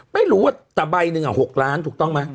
ไม่รู้ว่าแต่ใบหนึ่ง๖ล้านถูกต้องไหม